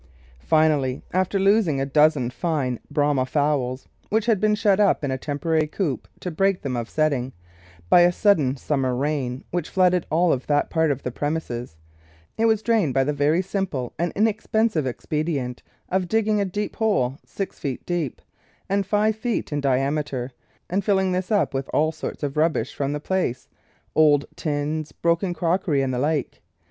Finally after losing a dozen fine Brahma fowls (which had been shut up in a temporary coop to break them of setting) by a sudden sum mer rain, which flooded all of that part of the premises, it was drained by the very simple and inexpensive expedient of digging a deep hole, six feet deep and five feet in diameter, and filling this up with all sorts of rubbish from about the place — old tins, broken crockery, and the like.